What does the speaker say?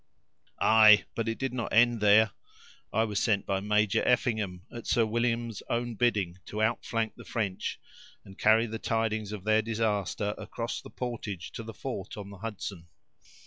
"Ay! but it did not end there. I was sent by Major Effingham, at Sir William's own bidding, to outflank the French, and carry the tidings of their disaster across the portage, to the fort on the Hudson.